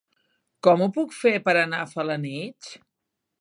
Com ho puc fer per anar a Felanitx?